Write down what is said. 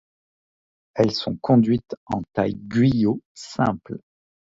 Elles sont conduites en taille Guyot simple.